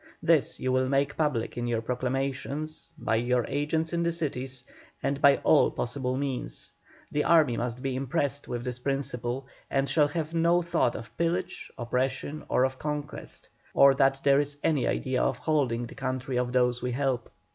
This you will make public in your proclamations, by your agents in the cities, and by all possible means. The army must be impressed with this principle, and shall have no thought of pillage, oppression, or of conquest, or that there is any idea of holding the country of those we help."